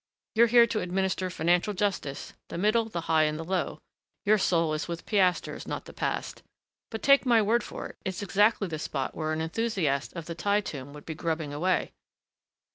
You're here to administer financial justice, the middle, the high, and the low; your soul is with piasters, not the past. But take my word for it, it's exactly the spot where an enthusiast of the Thi Tomb would be grubbing away....